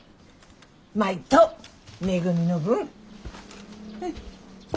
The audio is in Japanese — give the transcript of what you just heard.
舞とめぐみの分。